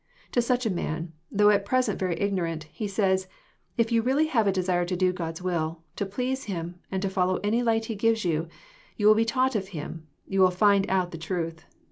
To such a man, though at present very ignorant, He says, '' If you really have a desire to do God's will, to please Him, and to follow any light He gives you, you will be taught of Him, you will find out the truth.